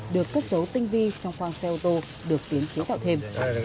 được cất dấu tinh vi trong khoang xe ô tô được tiến chế tạo thêm